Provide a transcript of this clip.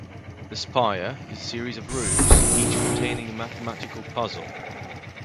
The Spire is a series of rooms, each containing a mathematical puzzle.